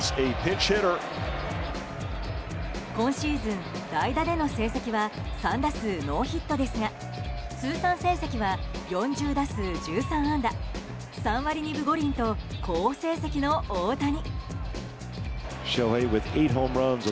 今シーズン、代打での成績は３打数ノーヒットですが通算成績は４０打数１３安打３割２分５厘と好成績の大谷。